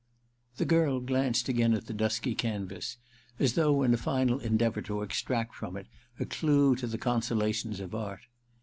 The girl glanced again at the dusky canvas, as though in a final endeavour to extract from it a clue to the consolations of art.